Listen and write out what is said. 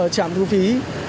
trạm thu phí